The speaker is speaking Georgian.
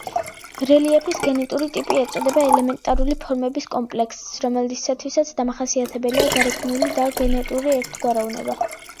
რელიეფის გენეტური ტიპი ეწოდება ელემენტარული ფორმების კომპლექსს, რომლისთვისაც დამახასიათებელია გარეგნული და გენეტური ერთგვაროვნება.